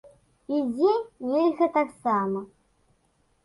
І дзе нельга таксама.